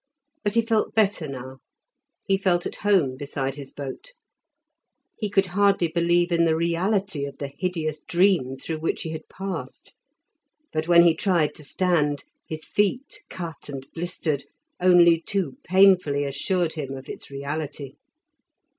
But he felt better now; he felt at home beside his boat. He could hardly believe in the reality of the hideous dream through which he had passed. But when he tried to stand, his feet, cut and blistered, only too painfully assured him of its reality.